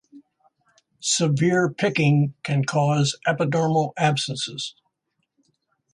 Severe picking can cause epidermal abscesses.